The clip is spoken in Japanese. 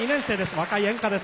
若い演歌です。